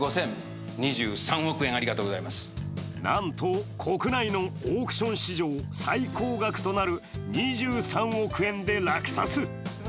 なんと、国内のオークション史上最高額となる２３億円で落札。